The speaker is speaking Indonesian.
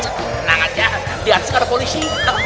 tenang aja nanti harus ada polisi